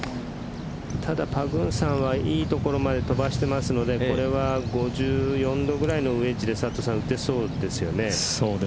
ただパグンサンはいい所まで飛ばしてますのでこれは５４度ぐらいのウエッジで打てそうですよね。